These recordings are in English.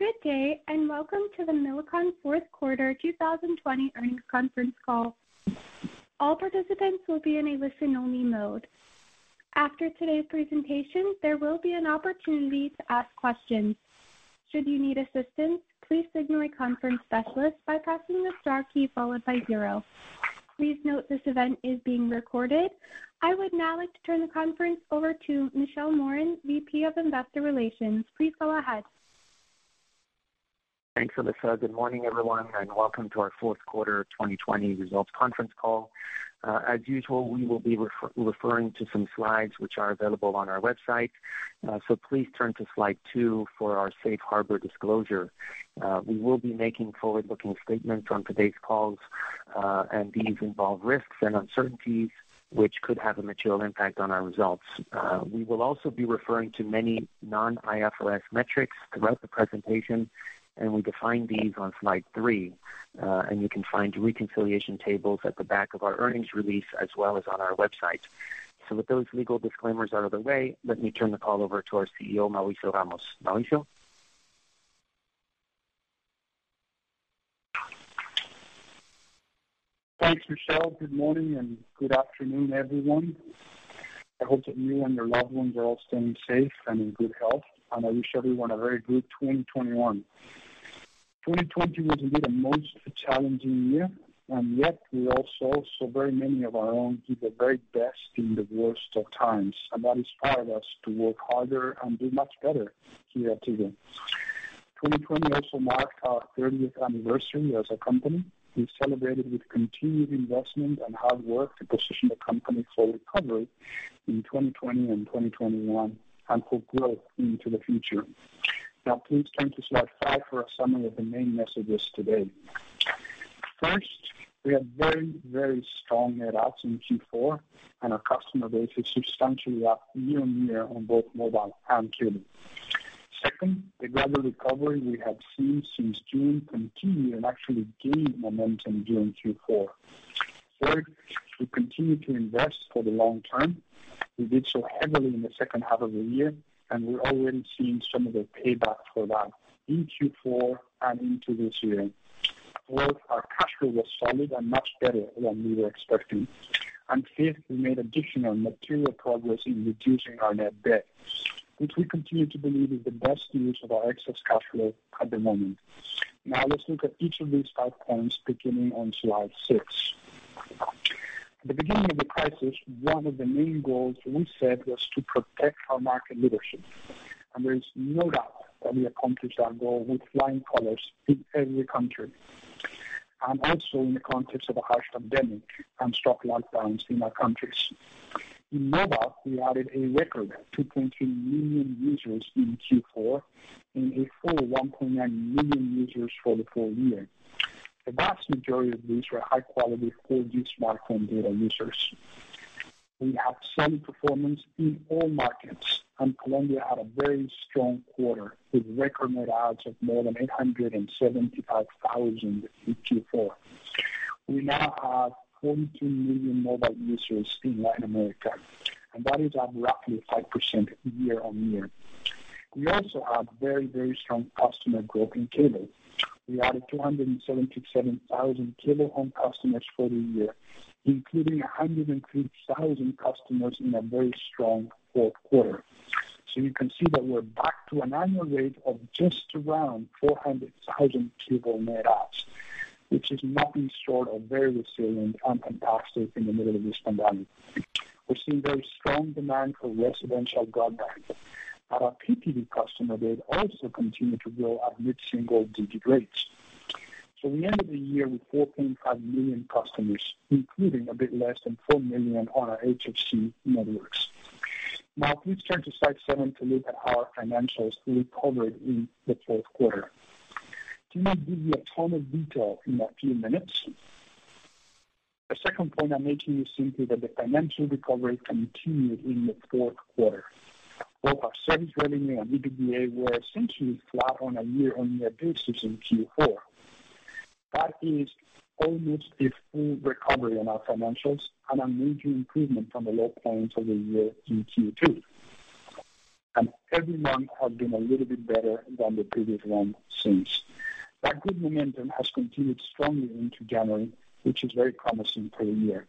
Good day, and welcome to the Millicom fourth quarter 2020 earnings conference call. All participants will be in a listen-only mode. After today's presentation, there will be an opportunity to ask questions. Should you need assistance, please signal a conference specialist by pressing the star key followed by zero. Please note this event is being recorded. I would now like to turn the conference over to Michel Morin, VP of Investor Relations. Please go ahead. Thanks, Alyssa. Good morning, everyone, and welcome to our fourth quarter 2020 results conference call. As usual, we will be referring to some slides which are available on our website. Please turn to slide two for our safe harbor disclosure. We will be making forward-looking statements on today's calls, and these involve risks and uncertainties which could have a material impact on our results. We will also be referring to many non-IFRS metrics throughout the presentation, and we define these on slide three. You can find reconciliation tables at the back of our earnings release as well as on our website. With those legal disclaimers out of the way, let me turn the call over to our CEO, Mauricio Ramos. Mauricio? Thanks, Michel. Good morning and good afternoon, everyone. I hope that you and your loved ones are all staying safe and in good health, and I wish everyone a very good 2021. 2020 was indeed a most challenging year, and yet we all saw so very many of our own do their very best in the worst of times, and that inspired us to work harder and do much better here at Tigo. 2020 also marked our 30th anniversary as a company. We celebrated with continued investment and hard work to position the company for recovery in 2020 and 2021 and for growth into the future. Now please turn to slide five for a summary of the main messages today. First, we had very, very strong net adds in Q4, and our customer base is substantially up year-on-year on both mobile and cable. Second, the gradual recovery we have seen since June continued and actually gained momentum during Q4. Third, we continue to invest for the long term. We did so heavily in the second half of the year, and we're already seeing some of the payback for that in Q4 and into this year. Fourth, our cash flow was solid and much better than we were expecting. Fifth, we made additional material progress in reducing our net debt, which we continue to believe is the best use of our excess cash flow at the moment. Now let's look at each of these five points beginning on slide six. At the beginning of the crisis, one of the main goals we set was to protect our market leadership. There is no doubt that we accomplished that goal with flying colors in every country. Also in the context of a harsh pandemic and strict lockdowns in our countries. In mobile, we added a record 2.3 million users in Q4 and a full 1.9 million users for the full year. The vast majority of these were high-quality, full-use smartphone data users. We have same performance in all markets, and Colombia had a very strong quarter with record net adds of more than 875,000 in Q4. We now have 22 million mobile users in Latin America, and that is up roughly 5% year-on-year. We also had very strong customer growth in cable. We added 277,000 cable home customers for the year, including 103,000 customers in a very strong fourth quarter. You can see that we're back to an annual rate of just around 400,000 cable net adds, which is nothing short of very resilient and fantastic in the middle of this pandemic. We're seeing very strong demand for residential broadband. Our Pay TV customer base also continued to grow at mid-single digit rates. We ended the year with 4.5 million customers, including a bit less than 4 million on our HFC networks. Please turn to slide seven to look at our financials recovery in the fourth quarter. To not give you a ton of detail in that few minutes. The second point I'm making is simply that the financial recovery continued in the fourth quarter. Both our service revenue and EBITDA were essentially flat on a year-on-year basis in Q4. That is almost a full recovery on our financials and a major improvement from the low points of the year in Q2. Every month has been a little bit better than the previous one since. That good momentum has continued strongly into January, which is very promising for the year.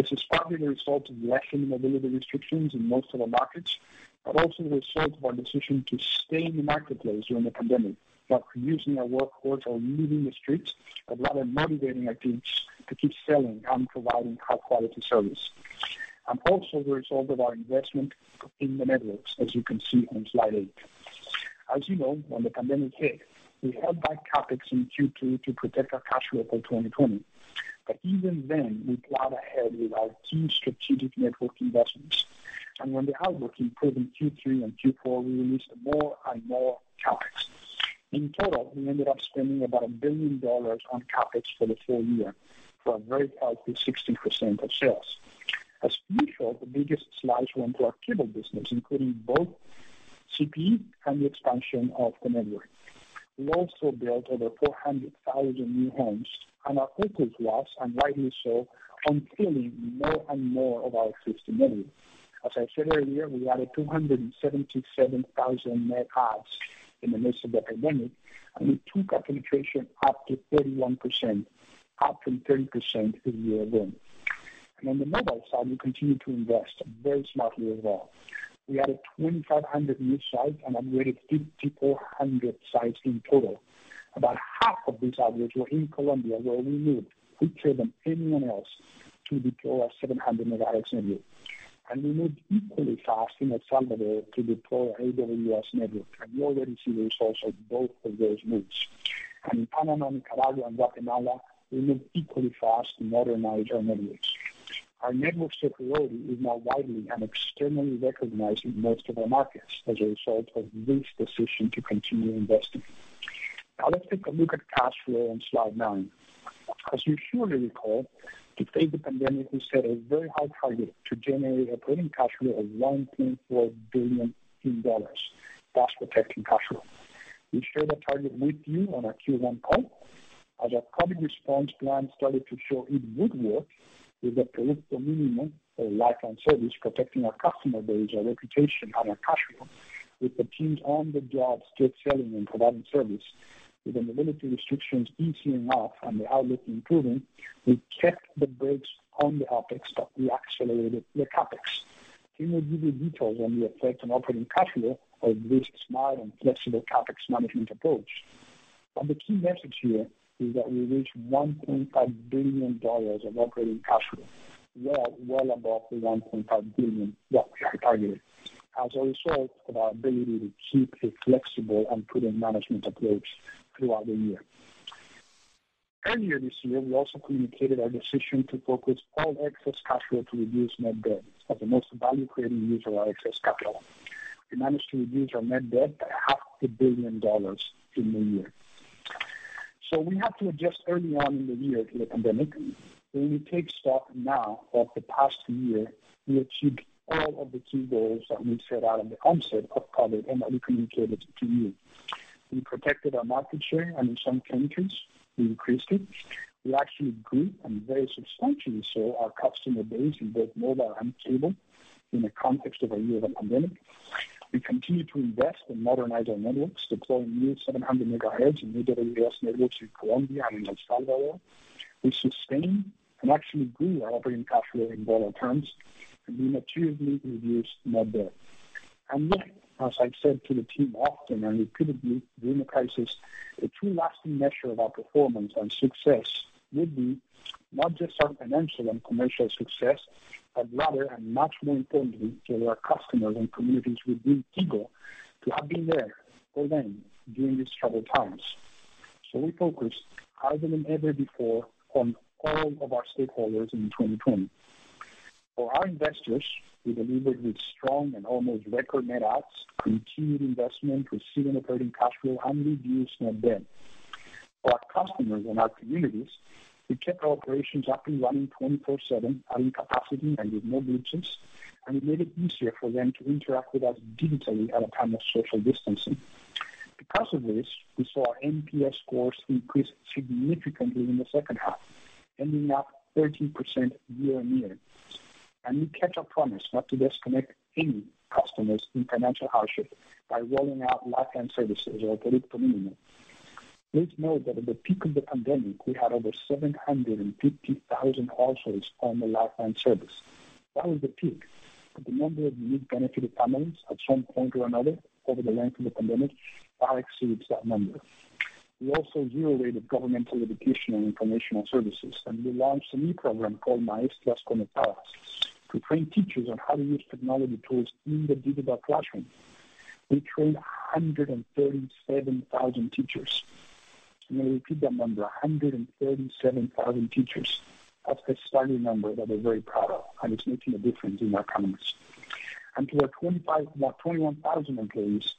This is partly the result of lesser mobility restrictions in most of our markets, but also the result of our decision to stay in the marketplace during the pandemic, not reducing our workforce or leaving the streets, but rather motivating our teams to keep selling and providing high-quality service. Also the result of our investment in the networks, as you can see on slide eight. As you know, when the pandemic hit, we held back CapEx in Q2 to protect our cash flow for 2020. Even then, we plowed ahead with our key strategic network investments. When the outlook improved in Q3 and Q4, we released more and more CapEx. In total, we ended up spending about $1 billion on CapEx for the full year, for a very healthy 60% of sales. As usual, the biggest slice went to our cable business, including both CPE and the expansion of the network. We also built over 400,000 new homes, our focus was, and rightly so, on filling more and more of our existing network. As I said earlier, we added 277,000 net adds in the midst of the pandemic, we took our penetration up to 31%, up from 30% a year ago. On the mobile side, we continued to invest very smartly as well. We added 2,500 new sites and upgraded 5,400 sites in total. About half of these upgrades were in Colombia, where we moved quicker than anyone else to deploy our 700 MHz network. We moved equally fast in El Salvador to deploy AWS network, and we already see the results of both of those moves. In Panama and Nicaragua and Guatemala, we moved equally fast to modernize our networks. Our network superiority is now widely and extremely recognized in most of our markets as a result of this decision to continue investing. Let's take a look at cash flow on slide nine. As you surely recall, to face the pandemic, we set a very high target to generate operating cash flow of $1.4 billion, thus protecting cash flow. We shared that target with you on our Q1 call. Our COVID response plan started to show it would work, with the Paquete Mínimo, or lifeline service, protecting our customer base, our reputation, and our cash flow, with the teams on the job, still selling and providing service. With the mobility restrictions easing up and the outlook improving, we kept the brakes on the OpEx but we accelerated the CapEx. Tim will give you details on the effect on operating cash flow of this smart and flexible CapEx management approach. The key message here is that we reached $1.5 billion of operating cash flow, well above the $1.5 billion that we had targeted, as a result of our ability to keep a flexible and prudent management approach throughout the year. Earlier this year, we also communicated our decision to focus all excess cash flow to reduce net debt as the most value-creating use of our excess capital. We managed to reduce our net debt by half a billion dollars in the year. We had to adjust early on in the year to the pandemic. When we take stock now of the past year, we achieved all of the key goals that we set out at the onset of COVID-19 and that we communicated to you. We protected our market share, and in some countries, we increased it. We actually grew, and very substantially so, our customer base in both mobile and cable in the context of a year of a pandemic. We continued to invest and modernize our networks, deploying new 700 MHz and AWS networks in Colombia and in El Salvador. We sustained and actually grew our operating cash flow in dollar terms, and we materially reduced net debt. Yet, as I've said to the team often, and repeatedly during the crisis, a true lasting measure of our performance and success would be not just our financial and commercial success, but rather, and much more importantly to our customers and communities, we've been eager to have been there for them during these troubled times. We focused harder than ever before on all of our stakeholders in 2020. For our investors, we delivered with strong and almost record net adds, continued investment, resilient operating cash flow, and reduced net debt. For our customers and our communities, we kept our operations up and running 24/7, adding capacity where we have no glitches, and we made it easier for them to interact with us digitally at a time of social distancing. This, we saw our NPS scores increase significantly in the second half, ending up 13% year-on-year. We kept our promise not to disconnect any customers in financial hardship by rolling out lifeline services or Paquete Mínimo. Please note that at the peak of the pandemic, we had over 750,000 households on the lifeline service. That was the peak. The number of unique benefited families at some point or another over the length of the pandemic far exceeds that number. We also zero-rated governmental educational informational services, and we launched a new program called Maestros Conectados to train teachers on how to use technology tools in the digital classroom. We trained 137,000 teachers. I'm going to repeat that number, 137,000 teachers. That's a stunning number that we're very proud of, and it's making a difference in our countries. To our 21,000 employees,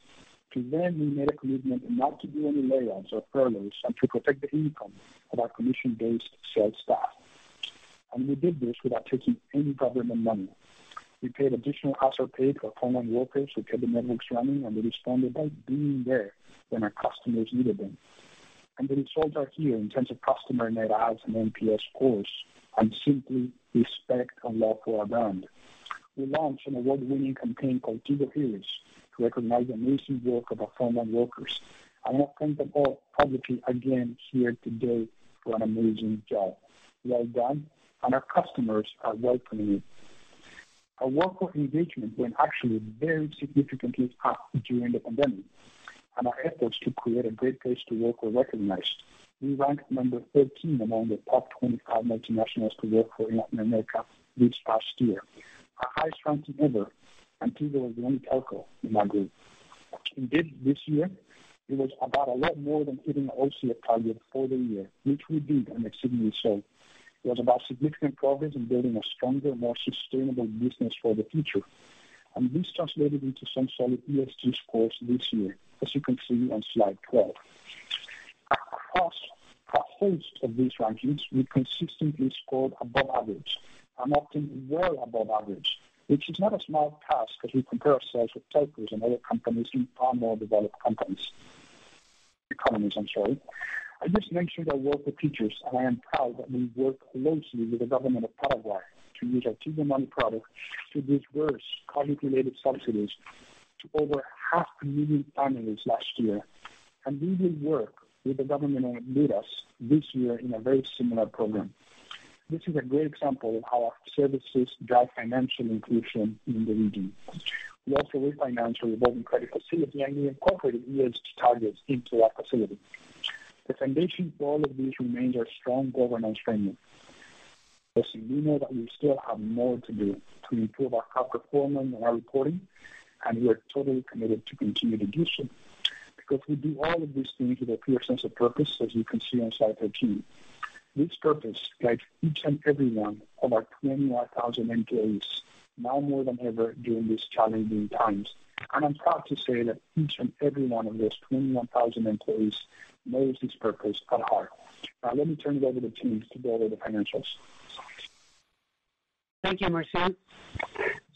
to them, we made a commitment not to do any layoffs or furloughs and to protect the income of our commission-based sales staff. We did this without taking any government money. We paid additional hazard pay to our frontline workers who kept the networks running, and they responded by being there when our customers needed them. The results are here in terms of customer net adds and NPS scores, and simply respect and love for our brand. We launched an award-winning campaign called Tigo Heroes to recognize the amazing work of our frontline workers, and I want to thank them all publicly again here today for an amazing job. Well done. Our customers are welcoming it. Our worker engagement went actually very significantly up during the pandemic, and our efforts to create a great place to work were recognized. We ranked number 13 among the top 25 multinationals to work for in Latin America this past year, our highest ranking ever. Tigo was the only telco in that group. Indeed, this year, it was about a lot more than hitting OCF target for the year, which we did and exceeded it. This translated into some solid ESG scores this year, as you can see on slide 12. A host of these rankings, we consistently scored above average and often well above average, which is not a small task as we compare ourselves with telcos and other companies in far more developed countries. Economies, I'm sorry. I just mentioned our work with teachers, and I am proud that we work closely with the government of Paraguay to use our Tigo Money product to disperse COVID-related subsidies to over half a million families last year. We will work with the government of Litas this year in a very similar program. This is a great example of how our services drive financial inclusion in the region. We also refinanced our revolving credit facility. We incorporated ESG targets into our facility. The foundation for all of these remains our strong governance framework. We know that we still have more to do to improve our health performance and our reporting. We are totally committed to continued addition, because we do all of this things with a clear sense of purpose, as you can see on slide 13. This purpose guides each and every one of our 21,000 employees, now more than ever during these challenging times, and I'm proud to say that each and every one of those 21,000 employees knows this purpose at heart. Now let me turn it over to Tim to go over the financials. Thank you, Mauricio.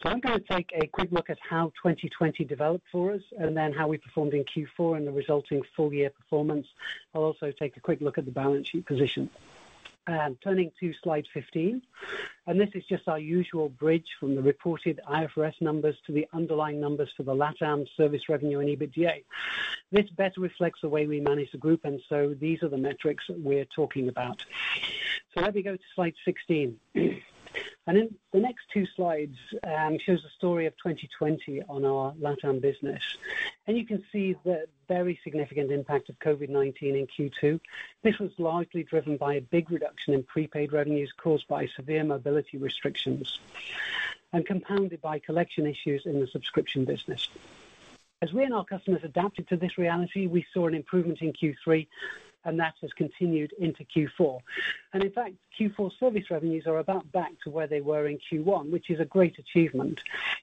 I'm going to take a quick look at how 2020 developed for us, and then how we performed in Q4 and the resulting full year performance. I'll also take a quick look at the balance sheet position. Turning to slide 15, this is just our usual bridge from the reported IFRS numbers to the underlying numbers for the LATAM service revenue and EBITDA. This better reflects the way we manage the group, these are the metrics that we're talking about. Let me go to slide 16. In the next two slides, shows the story of 2020 on our LATAM business. You can see the very significant impact of COVID-19 in Q2. This was largely driven by a big reduction in prepaid revenues caused by severe mobility restrictions and compounded by collection issues in the subscription business. As we and our customers adapted to this reality, we saw an improvement in Q3, and that has continued into Q4. In fact, Q4 service revenues are about back to where they were in Q1, which is a great achievement.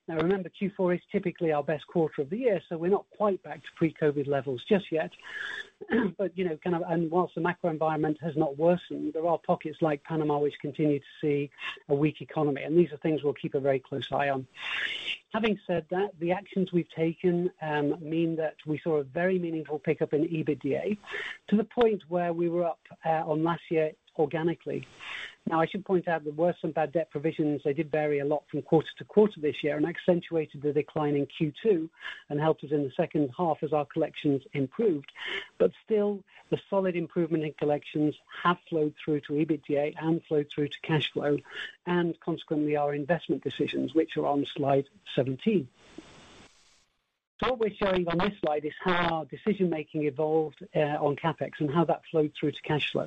Now remember, Q4 is typically our best quarter of the year, so we're not quite back to pre-COVID levels just yet. Whilst the macro environment has not worsened, there are pockets like Panama which continue to see a weak economy, and these are things we'll keep a very close eye on. Having said that, the actions we've taken mean that we saw a very meaningful pickup in EBITDA, to the point where we were up on last year organically. I should point out there were some bad debt provisions, they did vary a lot from quarter to quarter this year and accentuated the decline in Q2 and helped us in the second half as our collections improved. Still, the solid improvement in collections have flowed through to EBITDA and flowed through to cash flow, and consequently our investment decisions, which are on slide 17. What we're showing on this slide is how decision-making evolved on CapEx and how that flowed through to cash flow.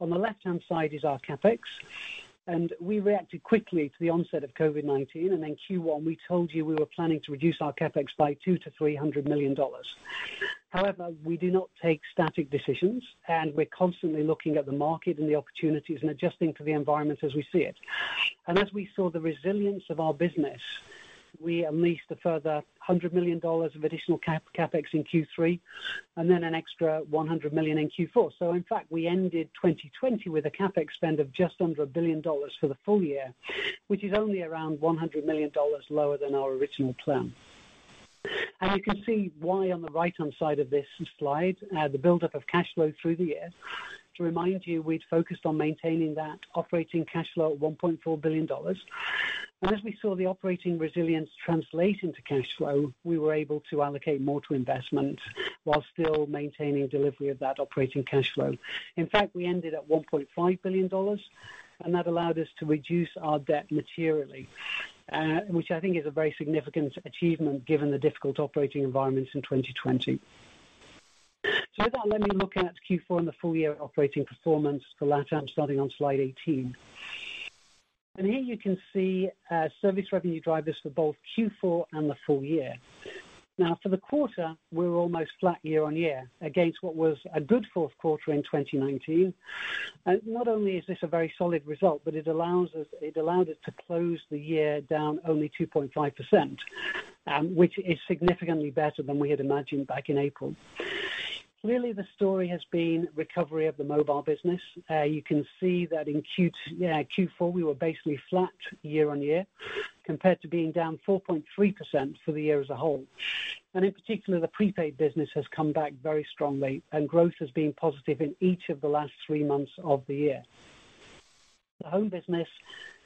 On the left-hand side is our CapEx, and we reacted quickly to the onset of COVID-19, and in Q1, we told you we were planning to reduce our CapEx by $200 million-$300 million. However, we do not take static decisions, and we're constantly looking at the market and the opportunities and adjusting to the environment as we see it. As we saw the resilience of our business, we unleashed a further $100 million of additional CapEx in Q3, an extra $100 million in Q4. In fact, we ended 2020 with a CapEx spend of just under $1 billion for the full year, which is only around $100 million lower than our original plan. You can see why on the right-hand side of this slide, the buildup of cash flow through the year. To remind you, we'd focused on maintaining that operating cash flow at $1.4 billion. As we saw the operating resilience translate into cash flow, we were able to allocate more to investment while still maintaining delivery of that operating cash flow. In fact, we ended at $1.5 billion, and that allowed us to reduce our debt materially, which I think is a very significant achievement given the difficult operating environments in 2020. With that, let me look at Q4 and the full year operating performance for LATAM, starting on slide 18. Here you can see service revenue drivers for both Q4 and the full year. Now, for the quarter, we're almost flat year-on-year against what was a good fourth quarter in 2019. Not only is this a very solid result, but it allowed it to close the year down only 2.5%, which is significantly better than we had imagined back in April. Clearly, the story has been recovery of the mobile business. You can see that in Q4, we were basically flat year-on-year compared to being down 4.3% for the year as a whole. In particular, the prepaid business has come back very strongly, and growth has been positive in each of the last three months of the year. The home business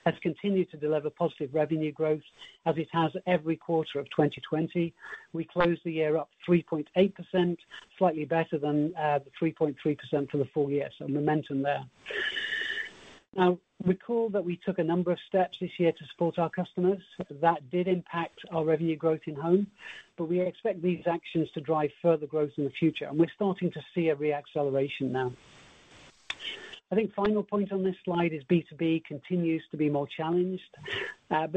has continued to deliver positive revenue growth as it has every quarter of 2020. We closed the year up 3.8%, slightly better than the 3.3% for the full year, so momentum there. Now, recall that we took a number of steps this year to support our customers. That did impact our revenue growth in home, but we expect these actions to drive further growth in the future, and we're starting to see a re-acceleration now. I think final point on this slide is B2B continues to be more challenged.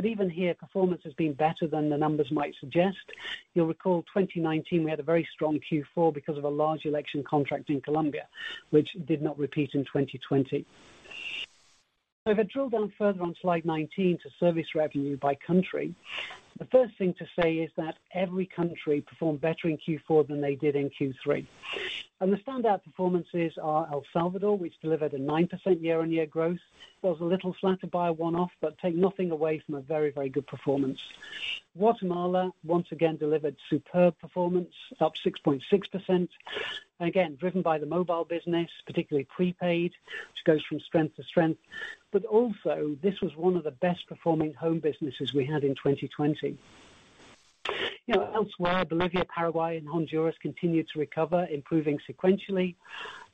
Even here, performance has been better than the numbers might suggest. You'll recall 2019, we had a very strong Q4 because of a large election contract in Colombia, which did not repeat in 2020. If I drill down further on slide 19 to service revenue by country, the first thing to say is that every country performed better in Q4 than they did in Q3. The standout performances are El Salvador, which delivered a 9% year-on-year growth, was a little flattered by a one-off, but take nothing away from a very, very good performance. Guatemala once again delivered superb performance, up 6.6%, again, driven by the mobile business, particularly prepaid, which goes from strength to strength. Also, this was one of the best performing home businesses we had in 2020. Elsewhere, Bolivia, Paraguay and Honduras continued to recover, improving sequentially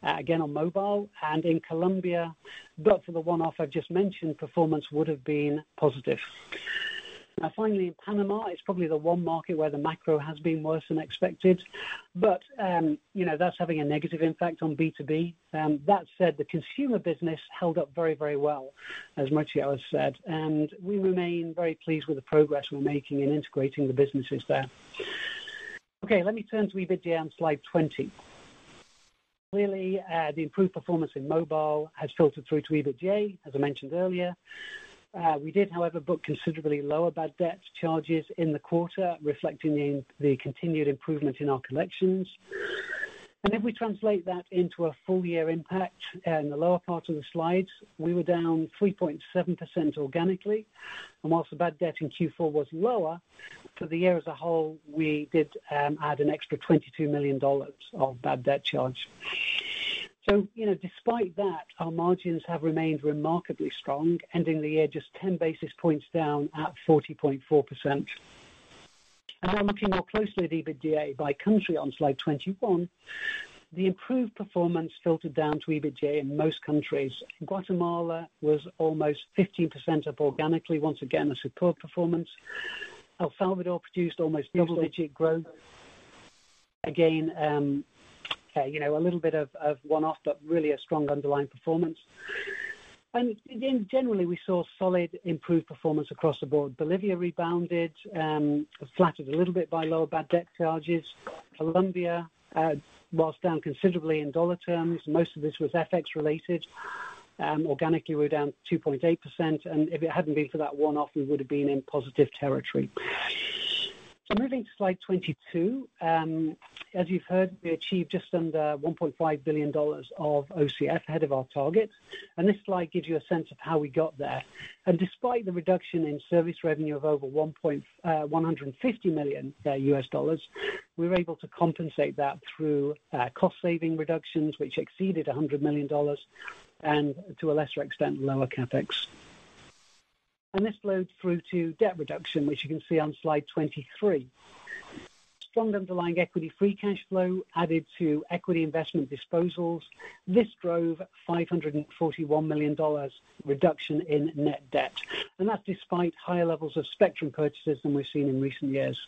again on mobile and in Colombia, but for the one-off I've just mentioned, performance would've been positive. Finally, in Panama, it's probably the one market where the macro has been worse than expected. That's having a negative impact on B2B. That said, the consumer business held up very, very well, as Mauricio has said, and we remain very pleased with the progress we're making in integrating the businesses there. Okay, let me turn to EBITDA on slide 20. Clearly, the improved performance in mobile has filtered through to EBITDA, as I mentioned earlier. We did, however, book considerably lower bad debt charges in the quarter, reflecting the continued improvement in our collections. If we translate that into a full year impact in the lower part of the slides, we were down 3.7% organically, and whilst the bad debt in Q4 was lower, for the year as a whole, we did add an extra $22 million of bad debt charge. Despite that, our margins have remained remarkably strong, ending the year just 10 basis points down at 40.4%. Now looking more closely at EBITDA by country on slide 21, the improved performance filtered down to EBITDA in most countries. Guatemala was almost 15% up organically. Once again, a superb performance. El Salvador produced almost double-digit growth. Again, a little bit of one-off, but really a strong underlying performance. Generally, we saw solid improved performance across the board. Bolivia rebounded, flattered a little bit by lower bad debt charges. Colombia was down considerably in dollar terms. Most of this was FX related. Organically, we're down 2.8%, and if it hadn't been for that one-off, we would've been in positive territory. Moving to slide 22. As you've heard, we achieved just under $1.5 billion of OCF ahead of our targets. This slide gives you a sense of how we got there. Despite the reduction in service revenue of over $150 million, we were able to compensate that through cost saving reductions, which exceeded $100 million, and to a lesser extent, lower CapEx. This flowed through to debt reduction, which you can see on slide 23. Strong underlying equity free cash flow added to equity investment disposals. This drove $541 million reduction in net debt, and that's despite higher levels of spectrum purchases than we've seen in recent years.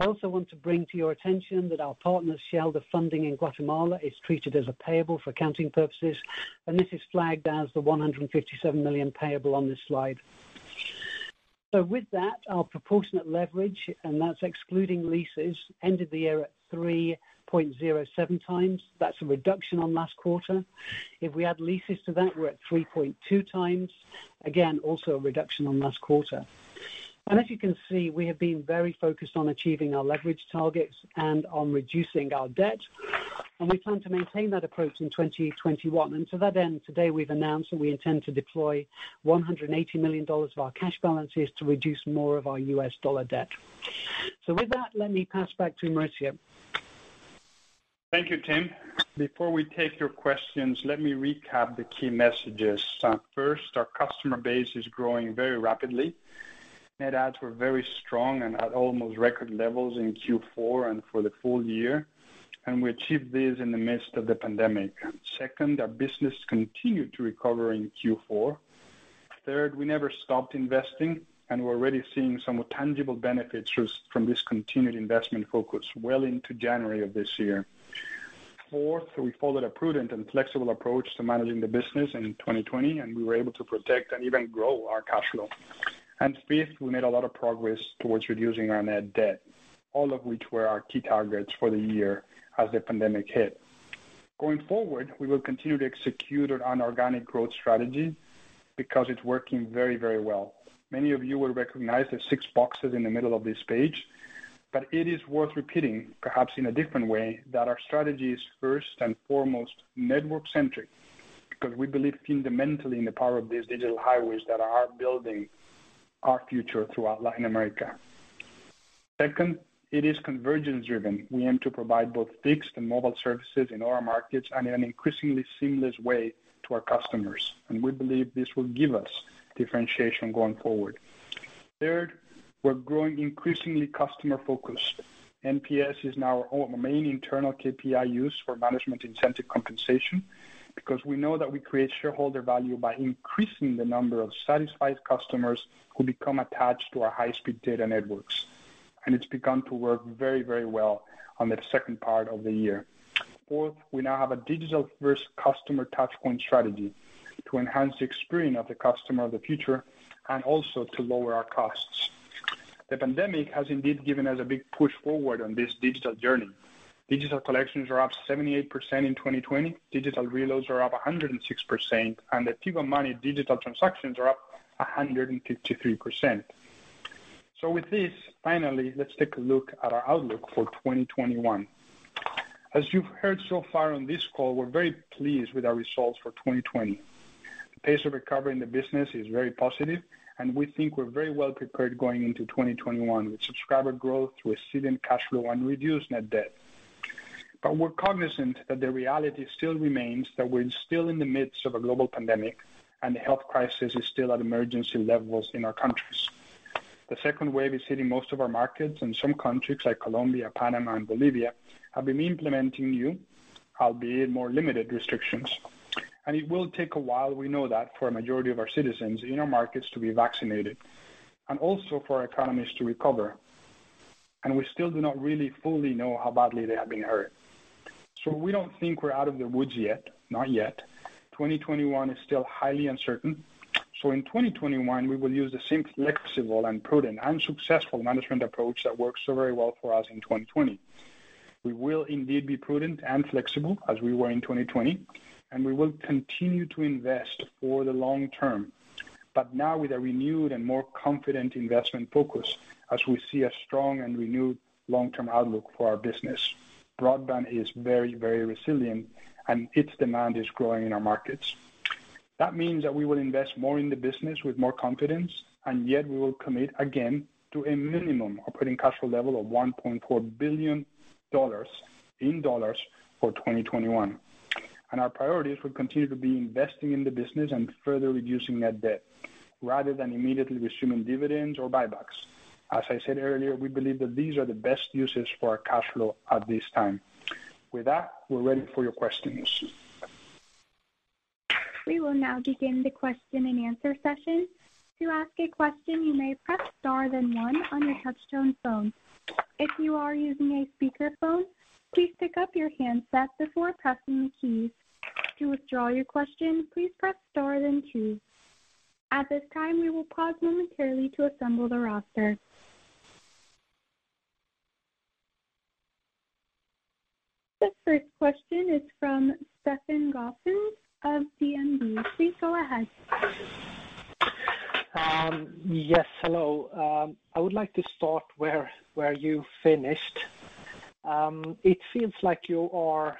I also want to bring to your attention that our partner, Shell, the funding in Guatemala is treated as a payable for accounting purposes, and this is flagged as the $157 million payable on this slide. With that, our proportionate leverage, and that's excluding leases, ended the year at 3.07 times. That's a reduction on last quarter. If we add leases to that, we're at 3.2 times. Again, also a reduction on last quarter. As you can see, we have been very focused on achieving our leverage targets and on reducing our debt, and we plan to maintain that approach in 2021. To that end, today, we've announced that we intend to deploy $180 million of our cash balances to reduce more of our US dollar debt. With that, let me pass back to Mauricio. Thank you, Tim. Before we take your questions, let me recap the key messages. First, our customer base is growing very rapidly. Net adds were very strong and at almost record levels in Q4 and for the full year, and we achieved this in the midst of the pandemic. Second, our business continued to recover in Q4. Third, we never stopped investing, and we're already seeing some tangible benefits from this continued investment focus well into January of this year. Fourth, we followed a prudent and flexible approach to managing the business in 2020, and we were able to protect and even grow our cash flow. Fifth, we made a lot of progress towards reducing our net debt, all of which were our key targets for the year as the pandemic hit. Going forward, we will continue to execute on our organic growth strategy because it's working very, very well. Many of you will recognize the six boxes in the middle of this page, but it is worth repeating, perhaps in a different way, that our strategy is first and foremost network centric, because we believe fundamentally in the power of these digital highways that are our building our future throughout Latin America. Second, it is convergence driven. We aim to provide both fixed and mobile services in all our markets and in an increasingly seamless way to our customers, and we believe this will give us differentiation going forward. Third, we're growing increasingly customer focused. NPS is now our main internal KPI used for management incentive compensation because we know that we create shareholder value by increasing the number of satisfied customers who become attached to our high-speed data networks. It's begun to work very, very well on the second part of the year. Fourth, we now have a digital first customer touchpoint strategy to enhance the experience of the customer of the future and also to lower our costs. The pandemic has indeed given us a big push forward on this digital journey. Digital collections are up 78% in 2020, digital reloads are up 106%, and the Tigo Money digital transactions are up 153%. With this, finally, let's take a look at our outlook for 2021. As you've heard so far on this call, we're very pleased with our results for 2020. The pace of recovering the business is very positive, and we think we're very well prepared going into 2021 with subscriber growth, resilient cash flow, and reduced net debt. We're cognizant that the reality still remains that we're still in the midst of a global pandemic, and the health crisis is still at emergency levels in our countries. The second wave is hitting most of our markets and some countries, like Colombia, Panama, and Bolivia, have been implementing new, albeit more limited restrictions. It will take a while, we know that, for a majority of our citizens in our markets to be vaccinated, and also for our economies to recover. We still do not really fully know how badly they have been hurt. We don't think we're out of the woods yet. Not yet. 2021 is still highly uncertain. In 2021, we will use the same flexible and prudent and successful management approach that worked so very well for us in 2020. We will indeed be prudent and flexible as we were in 2020, and we will continue to invest for the long term. Now with a renewed and more confident investment focus as we see a strong and renewed long-term outlook for our business. Broadband is very, very resilient, and its demand is growing in our markets. That means that we will invest more in the business with more confidence, and yet we will commit again to a minimum operating cash flow level of $1.4 billion for 2021. Our priorities will continue to be investing in the business and further reducing net debt rather than immediately resuming dividends or buybacks. As I said earlier, we believe that these are the best uses for our cash flow at this time. With that, we're ready for your questions. We will now begin the question and answer session. To ask a question you may press star then one on your handset phone. If you're using a speaker phone please pick up your handset before pressing the key. To withdraw your question please press star then two. At this time, we will pause momentarily to assemble the roster. The first question is from Stefan Gauffin of DNB. Please go ahead. Yes, hello. I would like to start where you finished. It seems like you are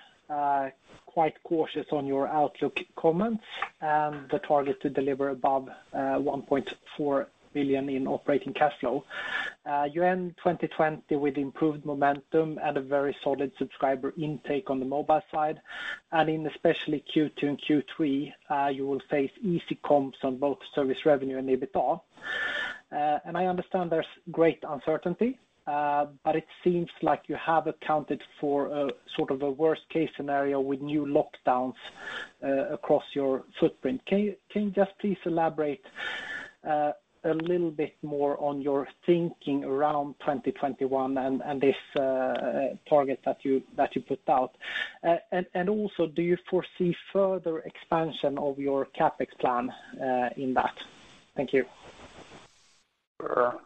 quite cautious on your outlook comments and the target to deliver above $1.4 billion in operating cash flow. You end 2020 with improved momentum and a very solid subscriber intake on the mobile side. In especially Q2 and Q3, you will face easy comps on both service revenue and EBITDA. I understand there's great uncertainty, but it seems like you have accounted for a sort of a worst-case scenario with new lockdowns across your footprint. Can you just please elaborate a little bit more on your thinking around 2021 and this target that you put out? Also, do you foresee further expansion of your CapEx plan in that? Thank you. Sure.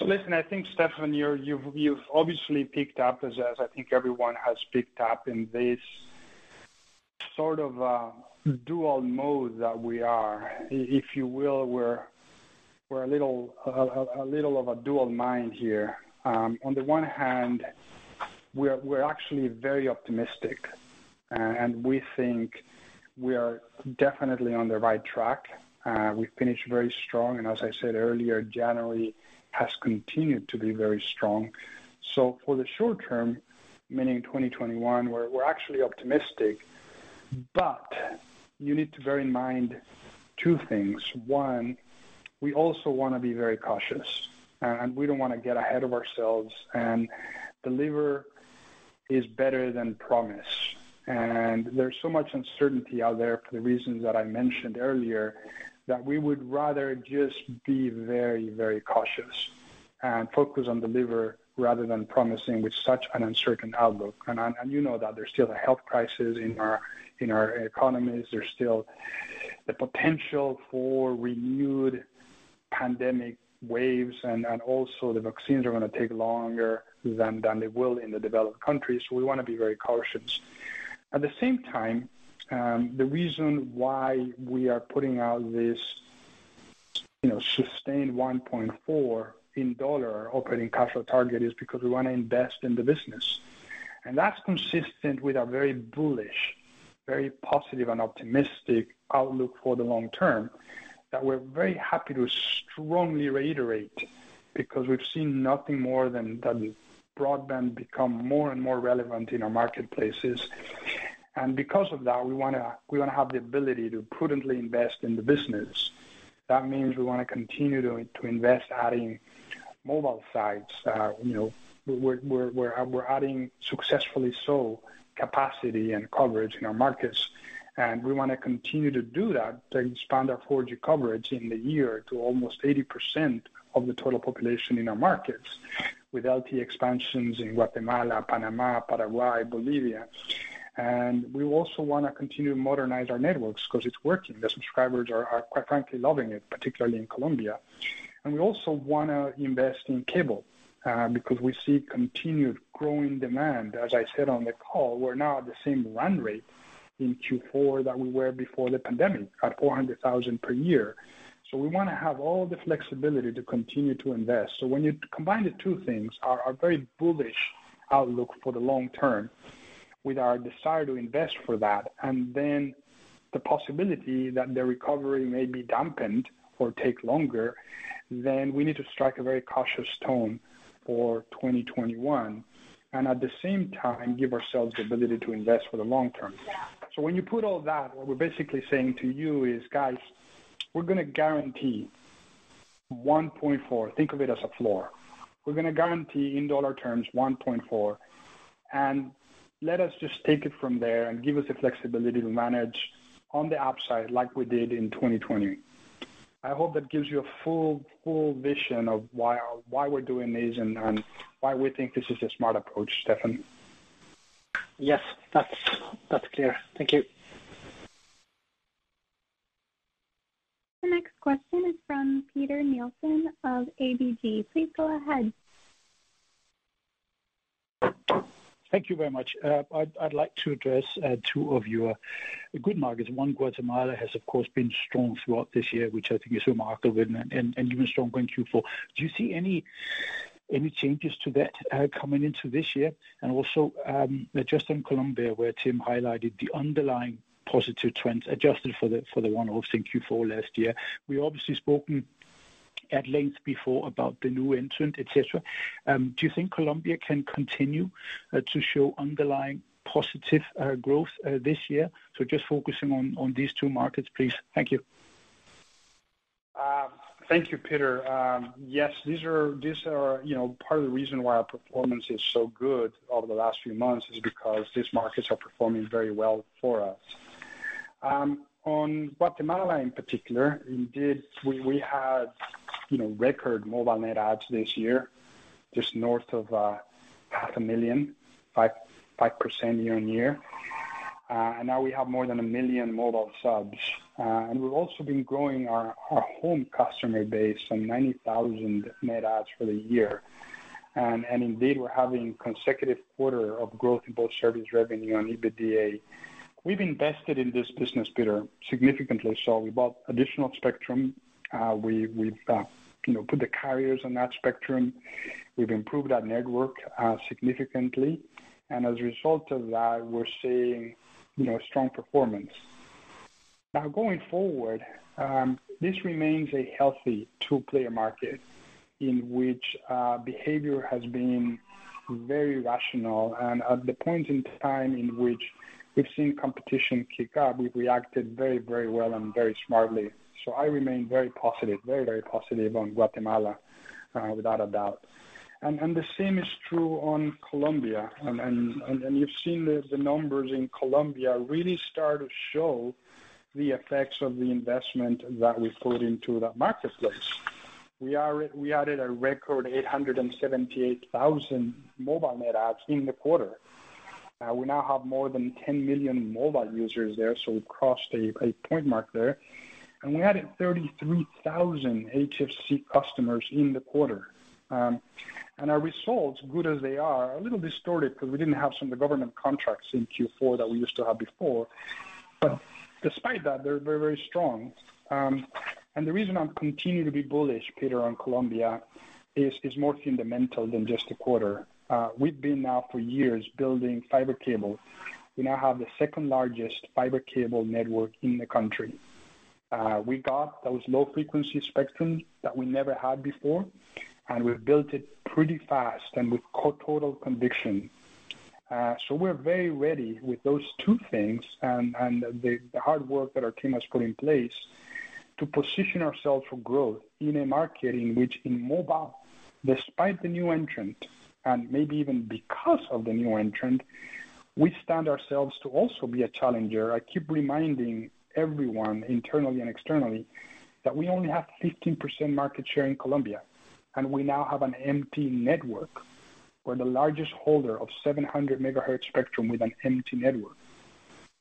Listen, I think, Stefan, you've obviously picked up this as I think everyone has picked up in this sort of dual mode that we are. If you will, we're a little of a dual mind here. On the one hand, we're actually very optimistic, and we think we are definitely on the right track. We finished very strong, and as I said earlier, January has continued to be very strong. For the short term, meaning 2021, we're actually optimistic. You need to bear in mind two things. One, we also wanna be very cautious, and we don't wanna get ahead of ourselves, and deliver is better than promise. There's so much uncertainty out there for the reasons that I mentioned earlier, that we would rather just be very, very cautious and focus on deliver rather than promising with such an uncertain outlook. You know that there's still a health crisis in our economies. There's still the potential for renewed pandemic waves, and also the vaccines are gonna take longer than they will in the developed countries. We wanna be very cautious. At the same time, the reason why we are putting out this sustained $1.4 operating cash flow target is because we wanna invest in the business. That's consistent with our very bullish, very positive and optimistic outlook for the long term, that we're very happy to strongly reiterate because we've seen nothing more than the broadband become more and more relevant in our marketplaces. Because of that, we wanna have the ability to prudently invest in the business. That means we wanna continue to invest adding mobile sites. We're adding successfully so capacity and coverage in our markets. We want to continue to do that to expand our 4G coverage in the year to almost 80% of the total population in our markets, with LTE expansions in Guatemala, Panama, Paraguay, Bolivia. We also want to continue to modernize our networks because it's working. The subscribers are quite frankly loving it, particularly in Colombia. We also want to invest in cable, because we see continued growing demand. As I said on the call, we're now at the same run rate in Q4 that we were before the pandemic, at 400,000 per year. We want to have all the flexibility to continue to invest. When you combine the two things, our very bullish outlook for the long term with our desire to invest for that, and then the possibility that the recovery may be dampened or take longer, then we need to strike a very cautious tone for 2021, and at the same time give ourselves the ability to invest for the long term. Yeah. When you put all that, what we're basically saying to you is, "Guys, we're going to guarantee $1.4." Think of it as a floor. We're going to guarantee in dollar terms $1.4, and let us just take it from there and give us the flexibility to manage on the upside like we did in 2020. I hope that gives you a full vision of why we're doing this and why we think this is a smart approach, Stefan. Yes. That's clear. Thank you. The next question is from Peter Nielsen of ABG. Please go ahead. Thank you very much. I'd like to address two of your good markets. One, Guatemala has, of course, been strong throughout this year, which I think is remarkable, and even stronger in Q4. Do you see any changes to that coming into this year? Also, just on Colombia, where Tim highlighted the underlying positive trends adjusted for the one-offs in Q4 last year. We've obviously spoken at length before about the new entrant, et cetera. Do you think Colombia can continue to show underlying positive growth this year? Just focusing on these two markets, please. Thank you. Thank you, Peter. Part of the reason why our performance is so good over the last few months is because these markets are performing very well for us. On Guatemala in particular, indeed, we had record mobile net adds this year, just north of half a million, 5% year-on-year. Now we have more than a million mobile subs. We've also been growing our home customer base, some 90,000 net adds for the year. Indeed, we're having consecutive quarter of growth in both service revenue and EBITDA. We've invested in this business, Peter, significantly so. We bought additional spectrum. We've put the carriers on that spectrum. We've improved our network significantly. As a result of that, we're seeing strong performance. Now going forward, this remains a healthy two-player market in which behavior has been very rational. At the point in time in which we've seen competition kick up, we've reacted very well and very smartly. I remain very positive, very positive on Guatemala, without a doubt. The same is true on Colombia. You've seen the numbers in Colombia really start to show the effects of the investment that we put into that marketplace. We added a record 878,000 mobile net adds in the quarter. We now have more than 10 million mobile users there, so we've crossed a point mark there. We added 33,000 HFC customers in the quarter. Our results, good as they are, a little distorted because we didn't have some of the government contracts in Q4 that we used to have before. Despite that, they're very strong. The reason I'm continuing to be bullish, Peter, on Colombia is more fundamental than just a quarter. We've been now for years building fiber cable. We now have the second-largest fiber cable network in the country. We got those low-frequency spectrum that we never had before, and we've built it pretty fast and with total conviction. We're very ready with those two things and the hard work that our team has put in place to position ourselves for growth in a market in which in mobile, despite the new entrant, and maybe even because of the new entrant, we stand ourselves to also be a challenger. I keep reminding everyone internally and externally that we only have 15% market share in Colombia, and we now have an empty network. We're the largest holder of 700 MHz spectrum with an empty network.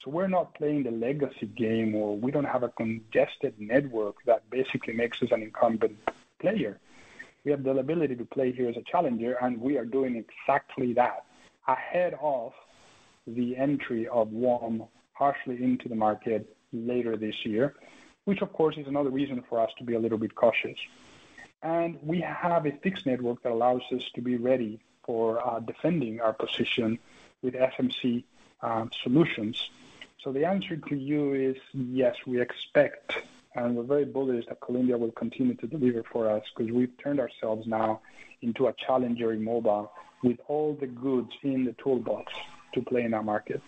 We're not playing the legacy game or we don't have a congested network that basically makes us an incumbent player. We have the ability to play here as a challenger. We are doing exactly that ahead of the entry of WOM partially into the market later this year, which of course, is another reason for us to be a little bit cautious. We have a fixed network that allows us to be ready for defending our position with FMC Solutions. The answer to you is yes, we expect, and we're very bullish that Colombia will continue to deliver for us because we've turned ourselves now into a challenger in mobile with all the goods in the toolbox to play in our market.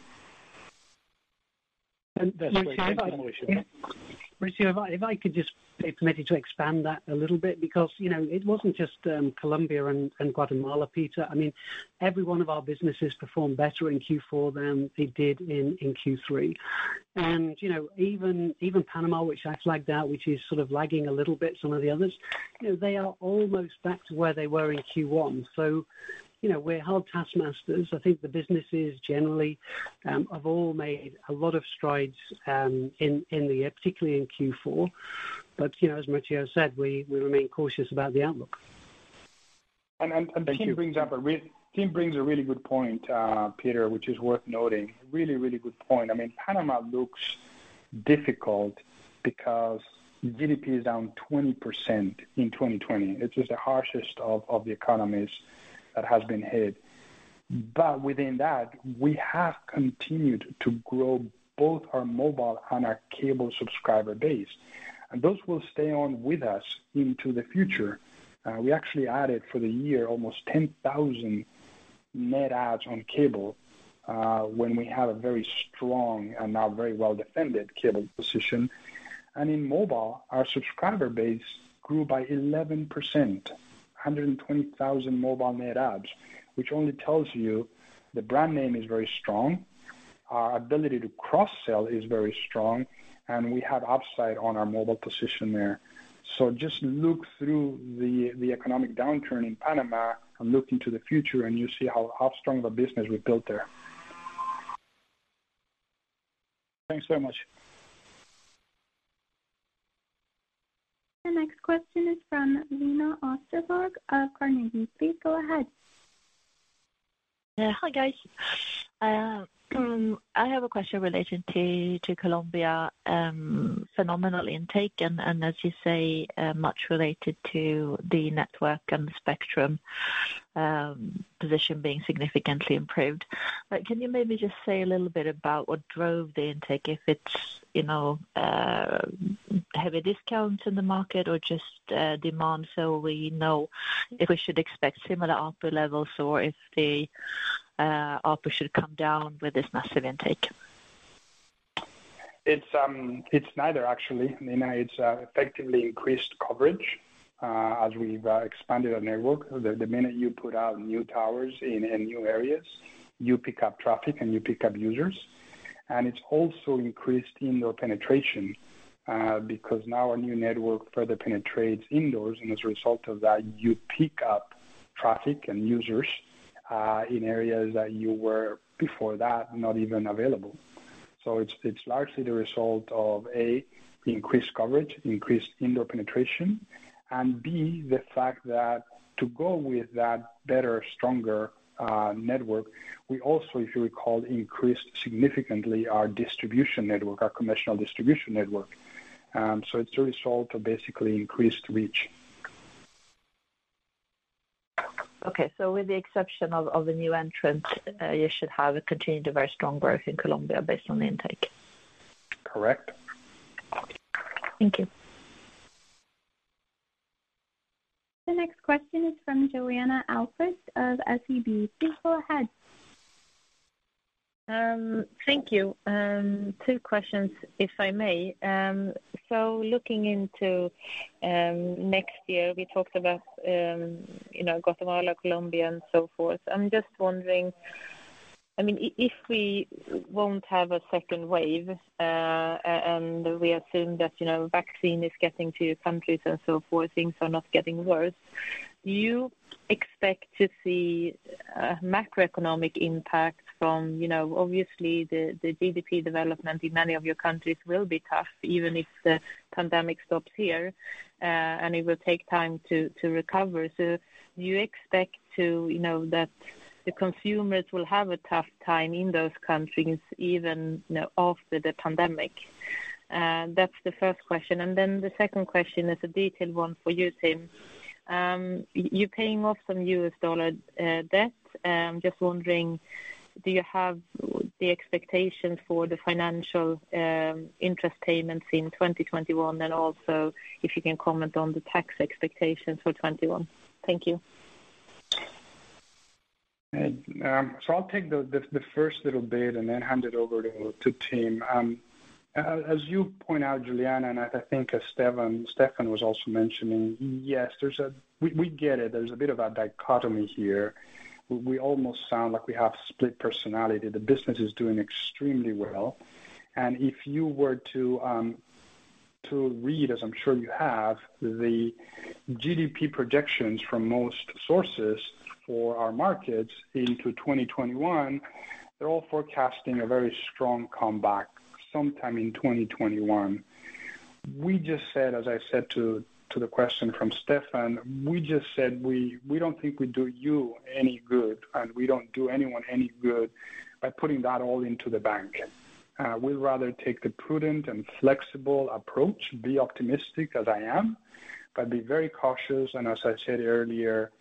And Mauricio- Yes, go ahead, Mauricio. Mauricio, if I could just be permitted to expand that a little bit, because it wasn't just Colombia and Guatemala, Peter. I mean, every one of our businesses performed better in Q4 than it did in Q3. Even Panama, which I flagged out, which is lagging a little bit, some of the others, they are almost back to where they were in Q1. We're hard task masters. I think the businesses generally have all made a lot of strides in the year, particularly in Q4. As Mauricio said, we remain cautious about the outlook. Tim brings a really good point, Peter, which is worth noting. Really good point. Panama looks difficult because GDP is down 20% in 2020. It is the harshest of the economies that has been hit. Within that, we have continued to grow both our mobile and our cable subscriber base, and those will stay on with us into the future. We actually added for the year almost 10,000 net adds on cable, when we have a very strong and now very well-defended cable position. In mobile, our subscriber base grew by 11%, 120,000 mobile net adds, which only tells you the brand name is very strong. Our ability to cross-sell is very strong, and we have upside on our mobile position there. Just look through the economic downturn in Panama and look into the future and you see how strong the business we built there. Thanks very much. The next question is from Lena Österberg of Carnegie. Please go ahead. Yeah. Hi, guys. I have a question relating to Colombia. Phenomenal intake and as you say, much related to the network and the spectrum position being significantly improved. Can you maybe just say a little bit about what drove the intake, if it's heavy discounts in the market or just demand so we know if we should expect similar ARPU levels or if the ARPU should come down with this massive intake? It's neither actually, Lena. It's effectively increased coverage as we've expanded our network. The minute you put out new towers in new areas, you pick up traffic and you pick up users. It's also increased indoor penetration, because now our new network further penetrates indoors. As a result of that, you pick up traffic and users in areas that you were, before that, not even available. It's largely the result of, A, increased coverage, increased indoor penetration, and B, the fact that to go with that better, stronger network, we also, if you recall, increased significantly our distribution network, our commercial distribution network. It's a result of basically increased reach. Okay. with the exception of a new entrant, you should have a continued very strong growth in Colombia based on the intake. Correct. Thank you. The next question is from Johanna Ahlqvist of SEB. Please go ahead. Thank you. Two questions, if I may. Looking into next year, we talked about Guatemala, Colombia, and so forth. I'm just wondering, if we won't have a second wave, and we assume that vaccine is getting to countries and so forth, things are not getting worse. Do you expect to see a macroeconomic impact from, obviously the GDP development in many of your countries will be tough, even if the pandemic stops here, and it will take time to recover. Do you expect that the consumers will have a tough time in those countries, even after the pandemic? That's the first question. The second question is a detailed one for you, Tim. You're paying off some U.S. dollar debt. Just wondering, do you have the expectations for the financial interest payments in 2021? Also if you can comment on the tax expectations for 2021. Thank you. I'll take the first little bit and then hand it over to Tim. As you point out, Johanna, and I think as Stefan was also mentioning, yes, we get it. There's a bit of a dichotomy here. We almost sound like we have split personality. The business is doing extremely well. If you were to read, as I'm sure you have, the GDP projections from most sources for our markets into 2021, they're all forecasting a very strong comeback sometime in 2021. We just said, as I said to the question from Stefan, we just said we don't think we do you any good, and we don't do anyone any good by putting that all into the bank. We'd rather take the prudent and flexible approach, be optimistic as I am, but be very cautious. As I said earlier,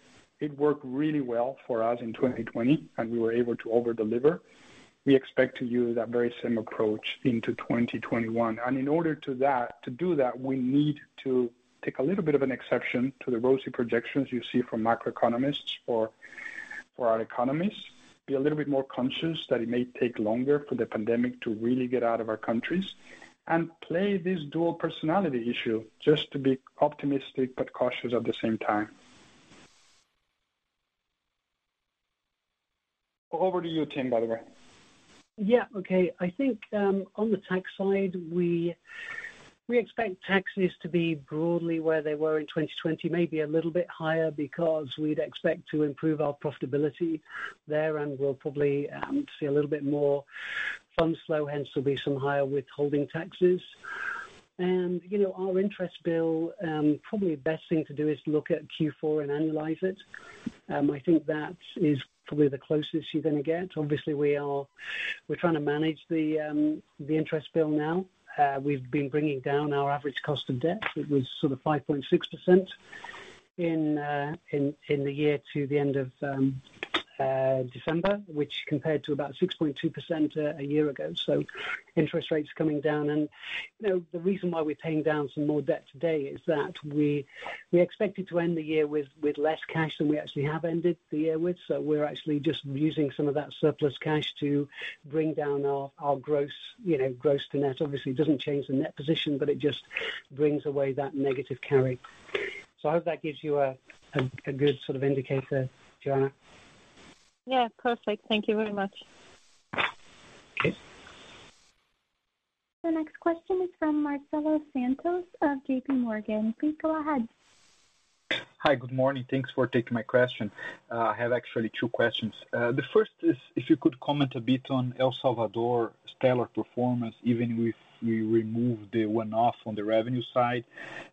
it worked really well for us in 2020, and we were able to over-deliver. We expect to use that very same approach into 2021. In order to do that, we need to take a little bit of an exception to the rosy projections you see from macroeconomists for our economies. Be a little bit more conscious that it may take longer for the pandemic to really get out of our countries and play this dual personality issue. Just to be optimistic but cautious at the same time. Over to you, Tim, by the way. Yeah. Okay. I think on the tax side, we expect taxes to be broadly where they were in 2020, maybe a little bit higher because we'd expect to improve our profitability there, and we'll probably see a little bit more funds flow, hence there'll be some higher withholding taxes. Our interest bill, probably the best thing to do is to look at Q4 and analyze it. I think that is probably the closest you're going to get. Obviously, we're trying to manage the interest bill now. We've been bringing down our average cost of debt. It was 5.6% in the year to the end of December, which compared to about 6.2% a year ago. Interest rates coming down, and the reason why we're paying down some more debt today is that we expected to end the year with less cash than we actually have ended the year with. We're actually just using some of that surplus cash to bring down our gross-to-net. Obviously, it doesn't change the net position, but it just brings away that negative carry. I hope that gives you a good indicator, Johanna. Yeah. Perfect. Thank you very much. Okay. The next question is from Marcelo Santos of JPMorgan. Please go ahead. Hi. Good morning. Thanks for taking my question. I have actually two questions. The first is if you could comment a bit on El Salvador's stellar performance, even if we remove the one-off on the revenue side.